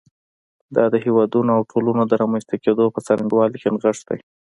دا د هېوادونو او ټولنو د رامنځته کېدو په څرنګوالي کې نغښتی.